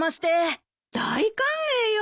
大歓迎よ。